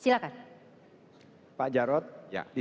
saya sedang menjawab pertanyaan yang terakhir